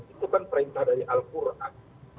itu kan perintah dari al quran